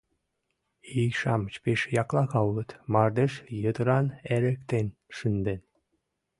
Ий-шамыч пеш яклака улыт, мардеж йытыран эрыктен шынден.